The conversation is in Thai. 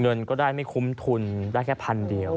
เงินก็ได้ไม่คุ้มทุนได้แค่พันเดียว